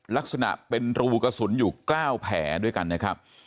ลักษณะเป็นรูกระสุนอยู่๙แผลด้วยกันนะครับ